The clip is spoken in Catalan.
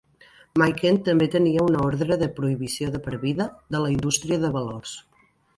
Miken també tenia una ordre de prohibició de per vida de la indústria de valors.